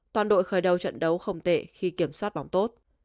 toàn đội khởi đầu trận đấu không tệ khi kiểm soát bóng tốt